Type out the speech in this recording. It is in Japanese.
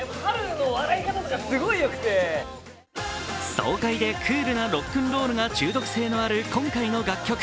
爽快でクールなロックンロールが中毒性のある今回の楽曲。